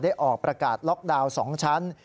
ออกประกาศล็อกดาวน์๒ชั้น